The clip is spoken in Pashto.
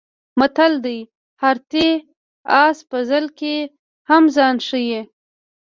متل دی: هراتی اس په ځل کې هم ځان ښي.